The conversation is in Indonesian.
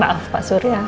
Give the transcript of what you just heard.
maaf pak surya